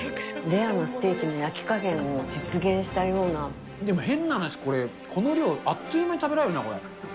レアなステーキの焼き加減をでも変な話、この量、あっという間に食べられるな、これ。